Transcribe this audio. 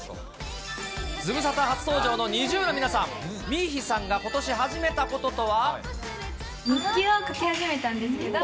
ズムサタ初登場のＮｉｚｉＵの皆さん、ミイヒさんがことし始めた日記を書き始めたんですけど。